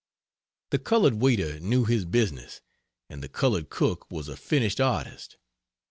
The colored waiter knew his business, and the colored cook was a finished artist.